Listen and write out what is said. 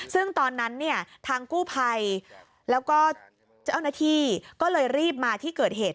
ซึ่งตอนนั้นเนี่ยทางกู้ภัยแล้วก็เจ้าหน้าที่ก็เลยรีบมาที่เกิดเหตุ